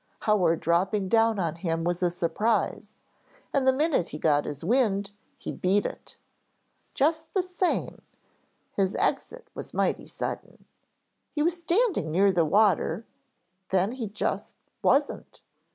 Our dropping down on him was a surprise, and the minute he got his wind, he beat it. Just the same, his exit was mighty sudden. He was standing near the water, then he just wasn't.